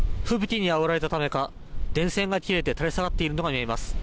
吹雪にあおられたためか、電線が切れて垂れ下がっているのが見えます。